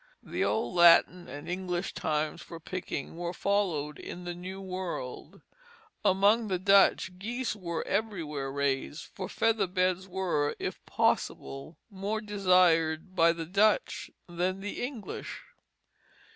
The old Latin and English times for picking were followed in the New World. Among the Dutch, geese were everywhere raised; for feather beds were, if possible, more desired by the Dutch than the English.